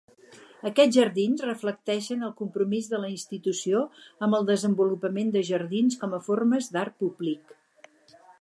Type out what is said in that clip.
Aquests jardins reflecteixen el compromís de la institució amb el desenvolupament de jardins com a formes d'art públic.